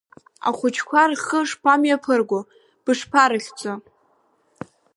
Ахәыҷқәа рхы шԥамҩаԥырго, бышԥарыхьӡо?